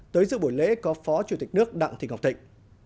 tới dự buổi lễ có phó chủ tịch nước đặng thị ngọc thịnh